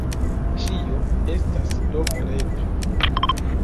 Ĉio estas do preta.